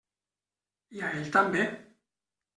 I a ell també.